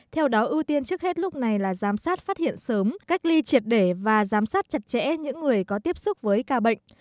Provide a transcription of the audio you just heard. theo đó ưu tiên trước hết lúc này là giám sát phát hiện sớm cách ly triệt để và giám sát chặt chẽ những người có tiếp xúc với ca bệnh